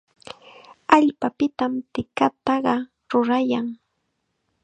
Allpapitam tikataqa rurayan.